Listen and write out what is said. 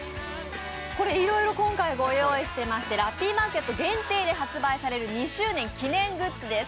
いろいろ今回はご用意していまして、ラッピーマーケット限定で発売される２周年記念グッズです。